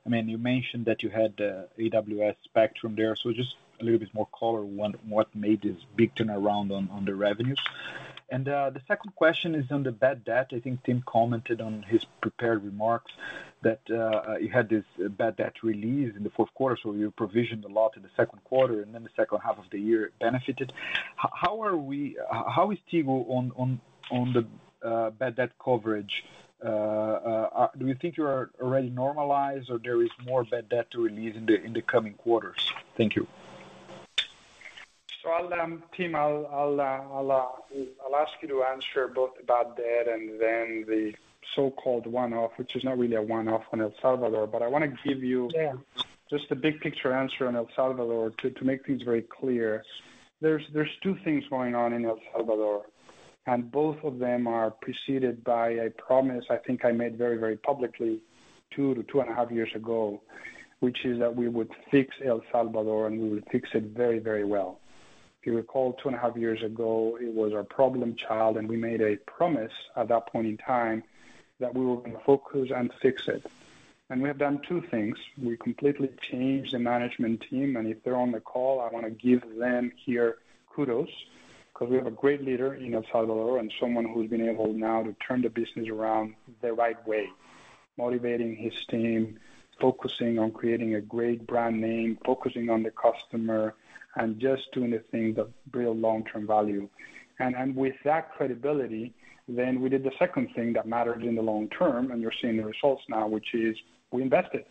You mentioned that you had the AWS spectrum there. Just a little bit more color on what made this big turnaround on the revenues. The second question is on the bad debt. I think Tim commented on his prepared remarks that you had this bad debt release in the fourth quarter, so you provisioned a lot in the second quarter, and then the second half of the year benefited. How is Tigo on the bad debt coverage? Do you think you are already normalized, or there is more bad debt to release in the coming quarters? Thank you. Tim, I'll ask you to answer both about that and then the so-called one-off, which is not really a one-off on El Salvador. Yeah. Just the big picture answer on El Salvador to make things very clear. There's two things going on in El Salvador, and both of them are preceded by a promise I think I made very publicly two to two and a half years ago, which is that we would fix El Salvador, and we would fix it very well. If you recall, two and a half years ago, it was our problem child, and we made a promise at that point in time that we would focus and fix it. We have done two things. We completely changed the management team, and if they're on the call, I want to give them kudos, because we have a great leader in El Salvador and someone who's been able now to turn the business around the right way, motivating his team, focusing on creating a great brand name, focusing on the customer, and just doing the things of real long-term value. With that credibility, then we did the second thing that matters in the long term, and you're seeing the results now, which is we invested.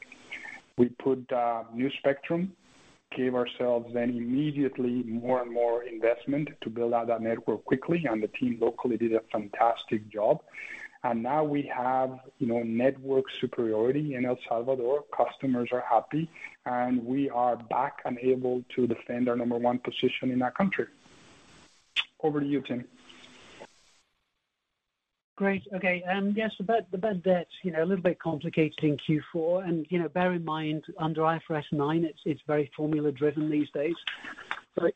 We put new spectrum, gave ourselves then immediately more investment to build out that network quickly, and the team locally did a fantastic job. Now we have network superiority in El Salvador. Customers are happy, and we are back and able to defend our number one position in that country. Over to you, Tim. Great. Okay. Yes, the bad debt, a little bit complicated in Q4. Bear in mind, under IFRS 9, it's very formula-driven these days.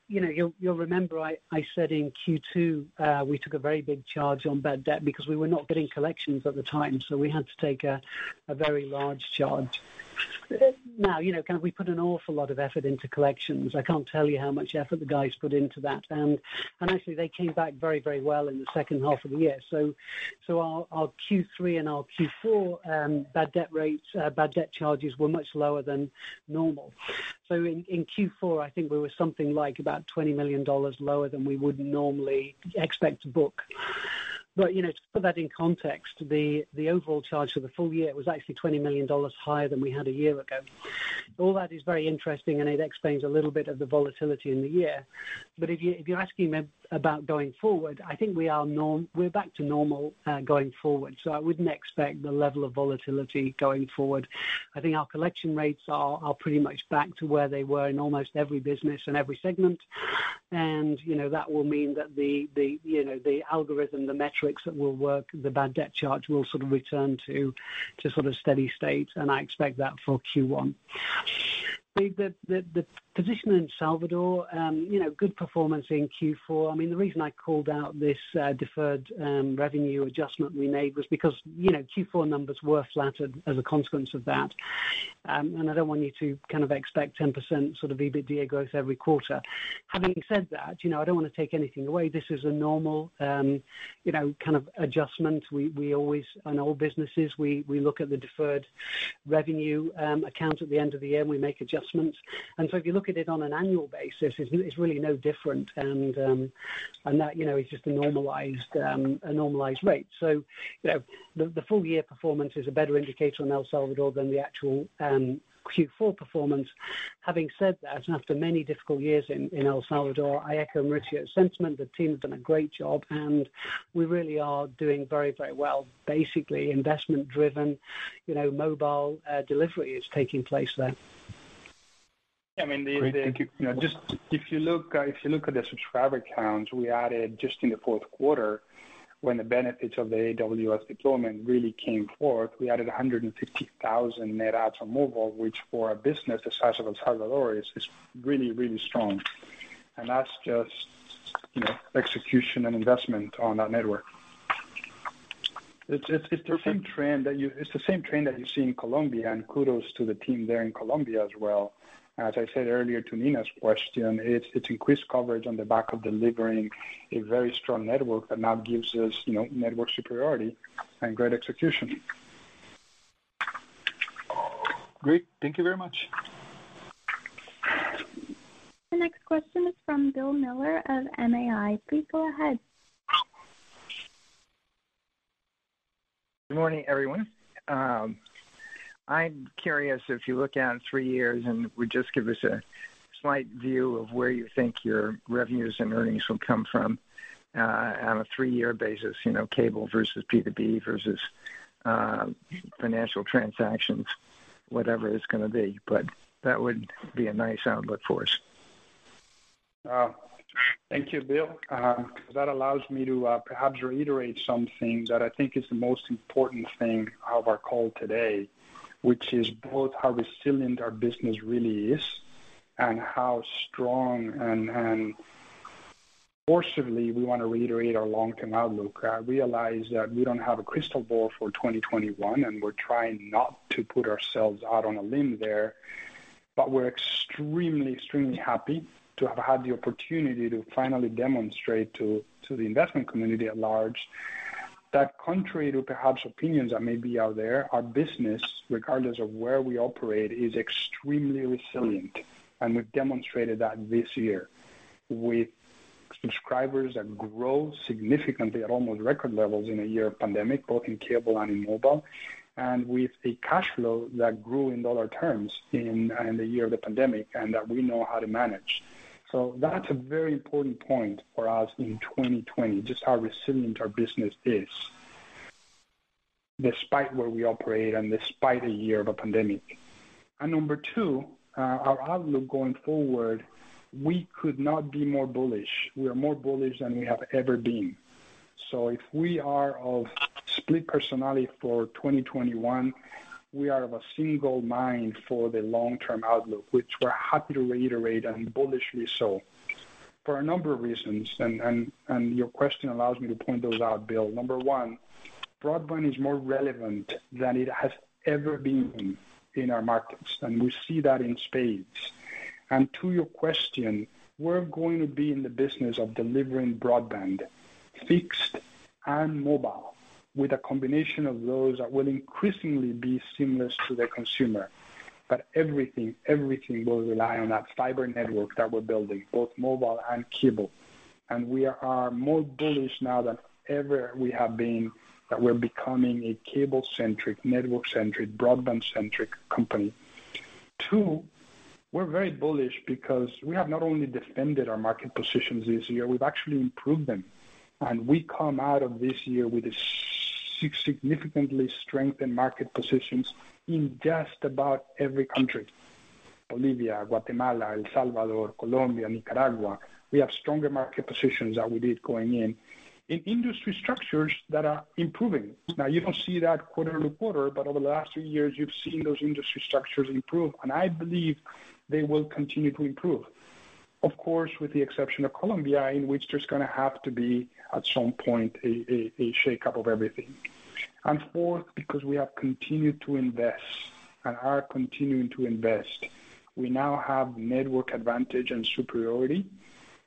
You'll remember I said in Q2, we took a very big charge on bad debt because we were not getting collections at the time, so we had to take a very large charge. Now, we put an awful lot of effort into collections. I can't tell you how much effort the guys put into that. Actually, they came back very well in the second half of the year. Our Q3 and our Q4 bad debt charges were much lower than normal. In Q4, I think we were something like about $20 million lower than we would normally expect to book. To put that in context, the overall charge for the full year was actually $20 million higher than we had a year ago. All that is very interesting, and it explains a little bit of the volatility in the year. If you're asking me about going forward, I think we're back to normal going forward. I wouldn't expect the level of volatility going forward. I think our collection rates are pretty much back to where they were in almost every business and every segment. That will mean that the algorithm, the metrics that will work, the bad debt charge will return to steady state, and I expect that for Q1. The position in Salvador, good performance in Q4. The reason I called out this deferred revenue adjustment we made was because Q4 numbers were flattered as a consequence of that. I don't want you to expect 10% EBITDA growth every quarter. Having said that, I don't want to take anything away. This is a normal kind of adjustment. In all businesses, we look at the deferred revenue account at the end of the year. We make adjustments. If you look at it on an annual basis, it's really no different. That is just a normalized rate. The full-year performance is a better indicator on El Salvador than the actual Q4 performance. Having said that, after many difficult years in El Salvador, I echo Mauricio's sentiment. The team have done a great job. We really are doing very well. Basically, investment-driven mobile delivery is taking place there. Yeah. If you look at the subscriber counts we added just in the fourth quarter, when the benefits of the AWS deployment really came forth, we added 150,000 net adds on mobile, which for a business the size of El Salvador is really, really strong. That's just execution and investment on that network. It's the same trend that you see in Colombia. Kudos to the team there in Colombia as well. As I said earlier to Lena's question, it's increased coverage on the back of delivering a very strong network that now gives us network superiority and great execution. Great. Thank you very much. The next question is from Bill Miller of MAI. Please go ahead. Good morning, everyone. I'm curious if you look out three years and would just give us a slight view of where you think your revenues and earnings will come from on a three-year basis, cable versus B2B versus financial transactions, whatever it's going to be. That would be a nice outlook for us. Thank you, Bill. That allows me to perhaps reiterate something that I think is the most important thing of our call today, which is both how resilient our business really is and how strong, and forcibly we want to reiterate our long-term outlook. I realize that we don't have a crystal ball for 2021, and we're trying not to put ourselves out on a limb there, but we're extremely happy to have had the opportunity to finally demonstrate to the investment community at large that contrary to perhaps opinions that may be out there, our business, regardless of where we operate, is extremely resilient. We've demonstrated that this year with subscribers that grow significantly at almost record levels in a year of pandemic, both in cable and in mobile, and with a cash flow that grew in dollar terms in the year of the pandemic, and that we know how to manage. That's a very important point for us in 2020, just how resilient our business is despite where we operate and despite a year of a pandemic. Number two, our outlook going forward, we could not be more bullish. We are more bullish than we have ever been. If we are of split personality for 2021, we are of a single mind for the long-term outlook, which we're happy to reiterate and bullishly so for a number of reasons. Your question allows me to point those out, Bill. Number one, broadband is more relevant than it has ever been in our markets. We see that in spades. To your question, we're going to be in the business of delivering broadband, fixed and mobile, with a combination of those that will increasingly be seamless to the consumer. Everything will rely on that fiber network that we're building, both mobile and cable. We are more bullish now than ever we have been that we're becoming a cable-centric, network-centric, broadband-centric company. Two, we're very bullish because we have not only defended our market positions this year, we've actually improved them. We come out of this year with significantly strengthened market positions in just about every country. Bolivia, Guatemala, El Salvador, Colombia, Nicaragua. We have stronger market positions than we did going in. In industry structures that are improving. You don't see that quarter to quarter, but over the last two years, you've seen those industry structures improve, and I believe they will continue to improve. Of course, with the exception of Colombia, in which there's going to have to be, at some point, a shakeup of everything. Fourth, because we have continued to invest and are continuing to invest. We now have network advantage and superiority,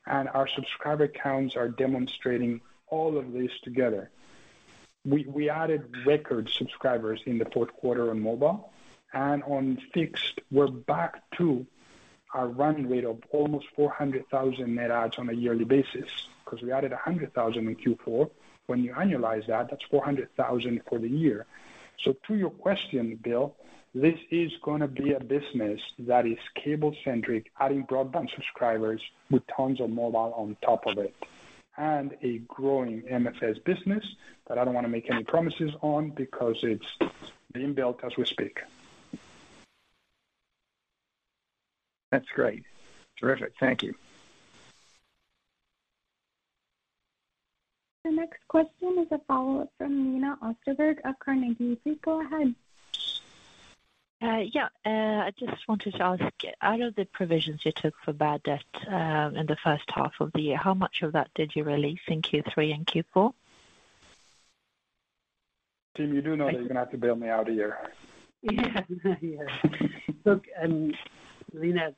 and our subscriber counts are demonstrating all of this together. We added record subscribers in the fourth quarter on mobile, and on fixed, we're back to our run rate of almost 400,000 net adds on a yearly basis because we added 100,000 in Q4. When you annualize that's 400,000 for the year. To your question, Bill, this is going to be a business that is cable centric, adding broadband subscribers with tons of mobile on top of it. A growing MFS business that I don't want to make any promises on because it's being built as we speak. That's great. Terrific. Thank you. The next question is a follow-up from Lena Österberg of Carnegie. Please go ahead. Yeah. I just wanted to ask, out of the provisions you took for bad debt in the first half of the year, how much of that did you release in Q3 and Q4? Tim, you do know that you're gonna have to bail me out here. Yeah. Look, Lena,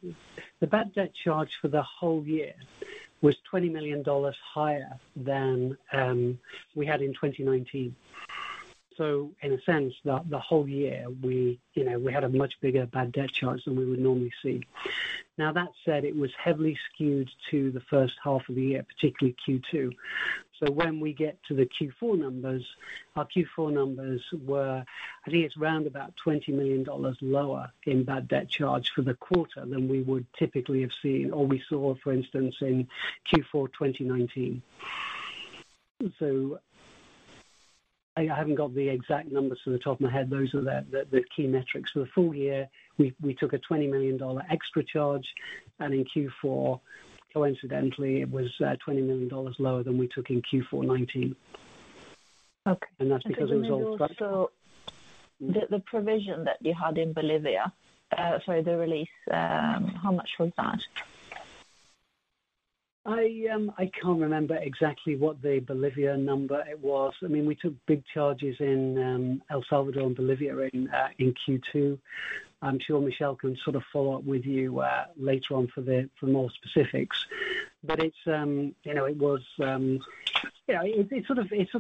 the bad debt charge for the whole year was $20 million higher than we had in 2019. In a sense, the whole year we had a much bigger bad debt charge than we would normally see. That said, it was heavily skewed to the first half of the year, particularly Q2. When we get to the Q4 numbers, our Q4 numbers were, I think it's around about $20 million lower in bad debt charge for the quarter than we would typically have seen, or we saw, for instance, in Q4 2019. I haven't got the exact numbers to the top of my head. Those are the key metrics. For the full year, we took a $20 million extra charge, and in Q4, coincidentally, it was $20 million lower than we took in Q4 2019. Okay. That's because it was all structured. The provision that you had in Bolivia, sorry, the release, how much was that? I can't remember exactly what the Bolivia number it was. We took big charges in El Salvador and Bolivia in Q2. I'm sure Michel can follow up with you later on for more specifics. It sort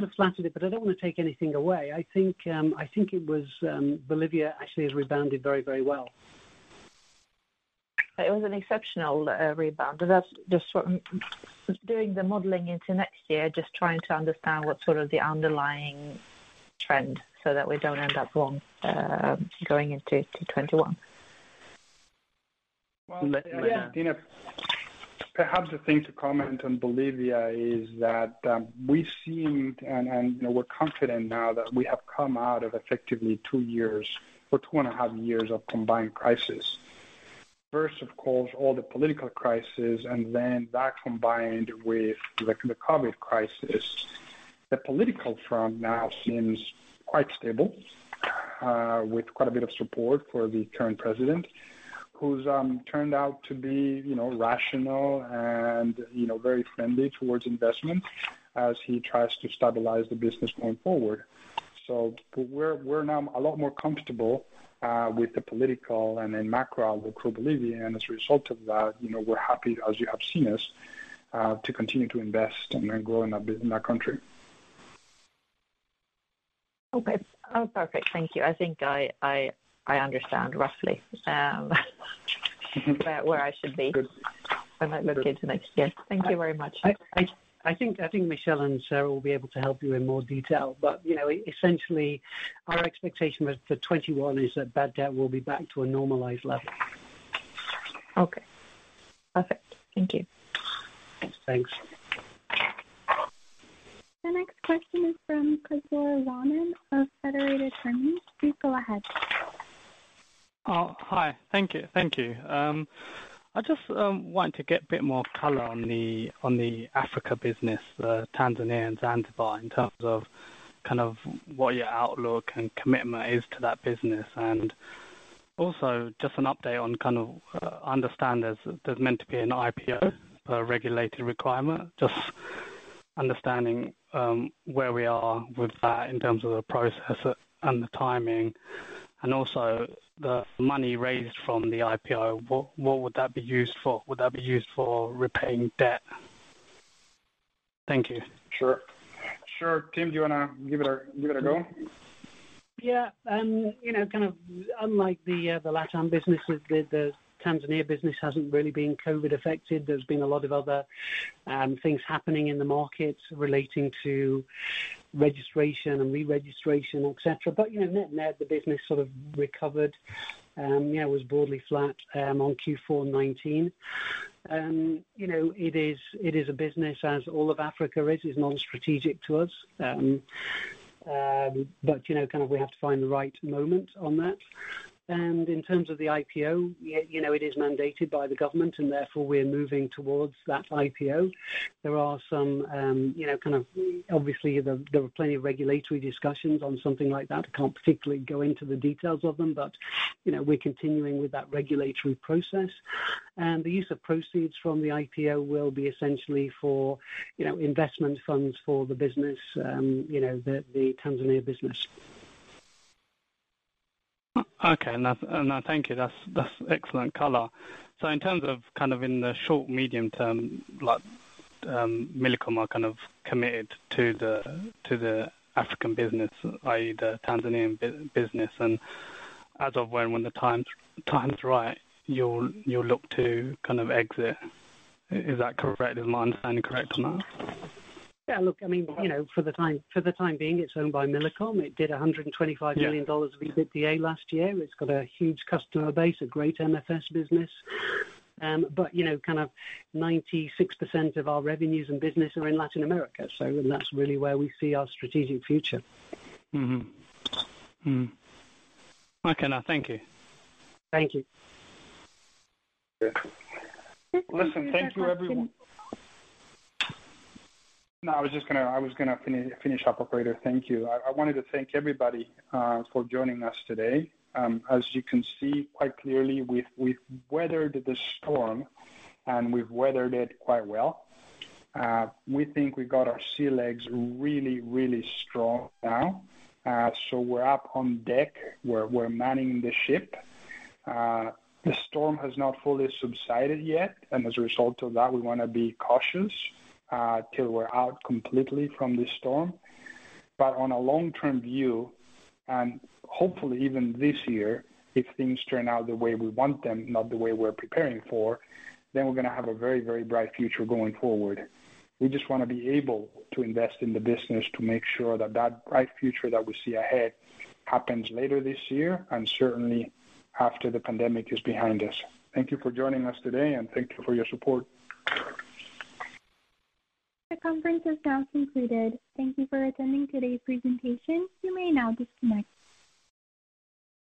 of flattered it, but I don't want to take anything away. I think Bolivia actually has rebounded very well. It was an exceptional rebound. Doing the modeling into next year, just trying to understand what the underlying trend, so that we don't end up wrong going into 2021. Let me- Lena, perhaps the thing to comment on Bolivia is that we've seen and we're confident now that we have come out of effectively two years or two and a half years of combined crisis. First, of course, all the political crisis and then that combined with the COVID-19 crisis. The political front now seems quite stable with quite a bit of support for the current president, who's turned out to be rational and very friendly towards investment as he tries to stabilize the business going forward. We're now a lot more comfortable with the political and then macro with Bolivia, and as a result of that, we're happy as you have seen us to continue to invest and then grow in that country. Perfect. Thank you. I think I understand roughly where I should be when I look into next year. Thank you very much. I think Michel and Sarah will be able to help you in more detail. Essentially, our expectation for 2021 is that bad debt will be back to a normalized level. Okay. Perfect. Thank you. Thanks. The next question is from Kazaur Rahman of Federated Hermes. Please go ahead. Oh, hi. Thank you. I just wanted to get a bit more color on the Africa business, Tanzania and Zanzibar, in terms of what your outlook and commitment is to that business, and also just an update. I understand there's meant to be an IPO, a regulated requirement, just understanding where we are with that in terms of the process and the timing, and also the money raised from the IPO. What would that be used for? Would that be used for repaying debt? Thank you. Sure. Tim, do you want to give it a go? Yeah. Unlike the LATAM businesses, the Tanzania business hasn't really been COVID affected. There's been a lot of other things happening in the market relating to registration and re-registration, et cetera. Net net, the business sort of recovered, was broadly flat on Q4 2019. It is a business, as all of Africa is, non-strategic to us. We have to find the right moment on that. In terms of the IPO, it is mandated by the government, and therefore we're moving towards that IPO. There are plenty of regulatory discussions on something like that. Can't particularly go into the details of them, but we're continuing with that regulatory process. The use of proceeds from the IPO will be essentially for investment funds for the business, the Tanzania business. Okay. No, thank you. That's excellent color. In terms of in the short, medium term, Millicom are committed to the African business, i.e., the Tanzanian business, and as of when the time's right, you'll look to exit. Is that correct? Is my understanding correct on that? Yeah, look, for the time being, it's owned by Millicom. It did $125 million of EBITDA last year. It's got a huge customer base, a great MFS business. 96% of our revenues and business are in Latin America. That's really where we see our strategic future. Mm-hmm. Okay. No, thank you. Thank you. Listen, thank you everyone. No, I was just going to finish up, Operator. Thank you. I wanted to thank everybody for joining us today. As you can see quite clearly, we've weathered the storm and we've weathered it quite well. We think we got our sea legs really strong now. We're up on deck. We're manning the ship. The storm has not fully subsided yet, and as a result of that, we want to be cautious till we're out completely from this storm. On a long-term view, and hopefully even this year, if things turn out the way we want them, not the way we're preparing for, then we're going to have a very bright future going forward. We just want to be able to invest in the business to make sure that that bright future that we see ahead happens later this year and certainly after the pandemic is behind us. Thank you for joining us today, and thank you for your support. The conference is now concluded. Thank you for attending today's presentation. You may now disconnect.